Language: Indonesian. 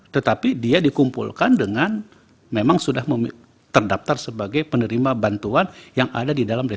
tetapi dia dikumpulkan dengan memang sudah terdaftar sebagai penerima bantuan yang ada di dalam negeri